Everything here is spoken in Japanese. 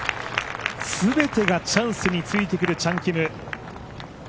全てがチャンスについてくるチャン・キム。